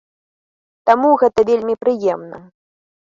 Таму гэта вельмі прыемна.